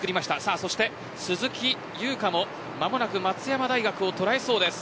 そして鈴木優花も間もなく松山大学をとらえそうです。